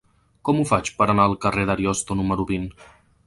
Com ho faig per anar al carrer d'Ariosto número vint?